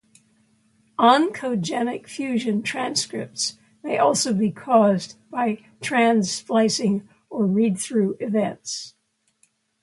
Oncogenic fusion transcripts may also be caused by trans-splicing or read-through events.